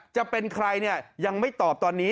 จะเป็นใครยังไม่ตอบตอนนี้